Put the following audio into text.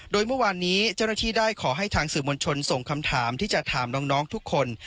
โดยเมื่อวานนี้เจ้าหน้าที่ได้ขอให้ทางสื่อมวลชนส่งคำถามที่จะถามน้องทุกคน